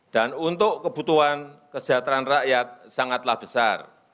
dan untuk kebutuhan kesejahteraan rakyat sangatlah besar